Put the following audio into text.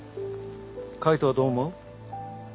海人はどう思う？